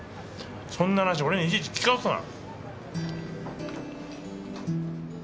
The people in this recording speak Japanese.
そんな話俺にいちいち聞かすな。